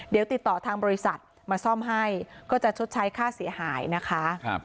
เดี๋ยวติดต่อทางบริษัทมาซ่อมให้ก็จะชดใช้ค่าเสียหายนะคะ